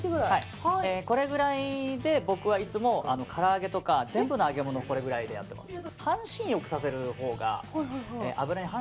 これぐらいで僕はいつもから揚げとか全部の揚げ物をこれぐらいでやってます。